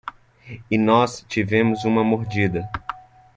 E nós tivemos uma mordida.